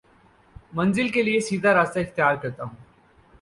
منزل کے لیے سیدھا راستہ اختیار کرتا ہوں